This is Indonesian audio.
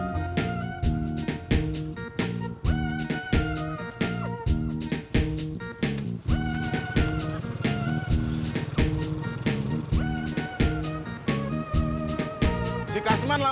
zitidik aja ya benar misterius